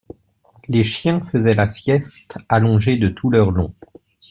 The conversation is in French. Les chiens faisaient la sieste, allongés de tout leur long.